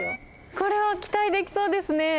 これは期待できそうですね。